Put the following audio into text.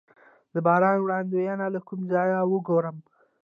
د باران وړاندوینه له کوم ځای وګورم؟